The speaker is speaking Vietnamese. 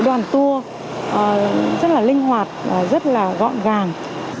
cái đoàn tour rất là linh hoạt và rất là gọn gàng